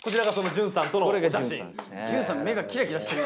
ＪＵＮさん目がキラキラしてる。